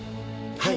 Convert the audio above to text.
はい。